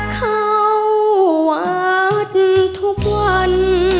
เข้าวัดทุกวัน